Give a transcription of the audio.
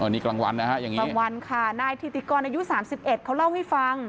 อ๋อนี่กลางวันนะฮะอย่างงี้กลางวันค่ะนายทีติกรอายุสามสิบเอ็ดเขาเล่าให้ฟัง